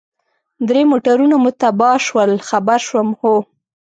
درې موټرونه مو تباه شول، خبر شوم، هو.